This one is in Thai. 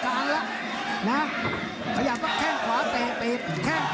ขยับไปแค่งขวาเตะแค่งขวาเตะกำตัว